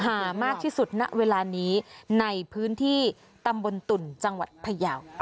ตำบลตุ๋นจังหวัดพระยาว